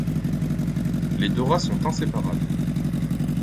Les deux rats sont inséparables.